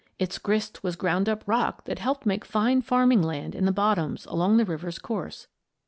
Its grist was ground up rock that helped make fine farming land in the bottoms along the river's course.